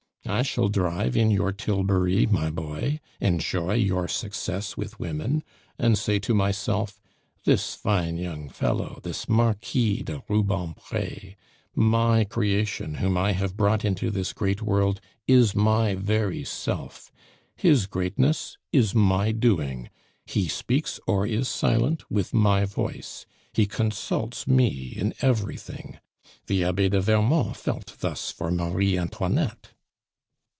I shall drive in your tilbury, my boy, enjoy your success with women, and say to myself, 'This fine young fellow, this Marquis de Rubempre, my creation whom I have brought into this great world, is my very Self; his greatness is my doing, he speaks or is silent with my voice, he consults me in everything.' The Abbe de Vermont felt thus for Marie Antoinette."